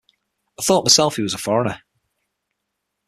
I thought myself he was a foreigner.